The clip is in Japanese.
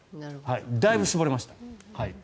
だいぶ絞れました。